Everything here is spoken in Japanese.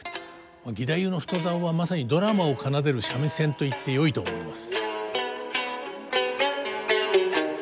義太夫の太棹はまさにドラマを奏でる三味線といってよいと思います。